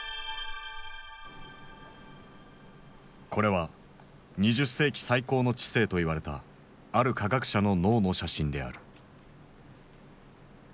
これは２０世紀最高の知性と言われたある科学者の脳の写真である。